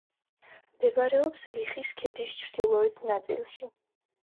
მდებარეობს ლიხის ქედის ჩრდილოეთ ნაწილში.